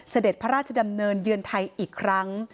เสด็จพระราชดำเนินเยือนไทยอีกครั้ง